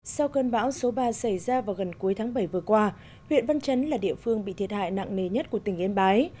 sau cơn bão số ba xảy ra vào gần cuối tháng bảy vừa qua huyện văn chấn là địa phương bị thiệt hại nặng nề nhất của tỉnh yên bái